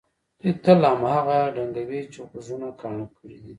دوی تل هماغه ډنګوي چې غوږونه کاڼه کړي دي.